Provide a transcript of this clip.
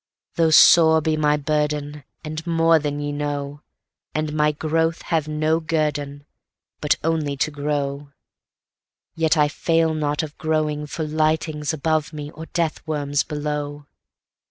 Though sore be my burdenAnd more than ye know, And my growth have no guerdonBut only to grow, Yet I fail not of growing for lightnings above me or deathworms below.